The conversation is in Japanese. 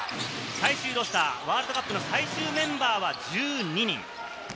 最終ロースター、ワールドカップの最終メンバーは１２人。